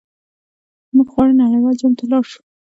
موږ غواړو نړیوال جام ته لاړ شو.